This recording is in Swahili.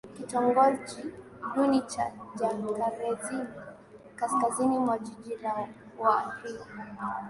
kitongoji duni cha Jacarezinho kaskazini mwa mji wa Rio